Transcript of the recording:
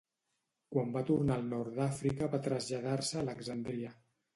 Quan va tornar al Nord d'Àfrica va traslladar-se a Alexandria.